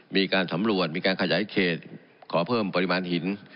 มีการสำรวจมีการขยายเขตขอเพิ่มปริมาณหิน